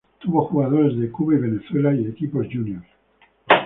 Tuvo jugadores de Cuba y Venezuela y equipos juniors.